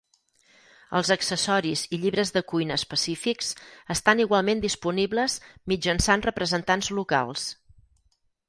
Els accessoris i llibres de cuina específics estan igualment disponibles mitjançant representants locals.